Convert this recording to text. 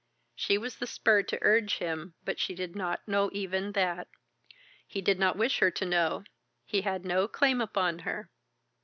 She was the spur to urge him, but she did not know even that. He did not wish her to know. He had no claim upon her.